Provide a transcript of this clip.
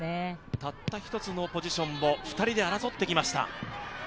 たった１つのポジションを２人で争ってきました。